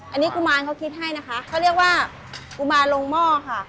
อันนี้กุมารเขาคิดให้นะคะเขาเรียกว่ากุมารลงหม้อค่ะ